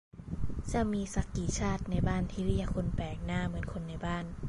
"จะมีซักกี่ชาติในบ้านที่เรียกคนแปลกหน้า เหมือนคนในบ้าน"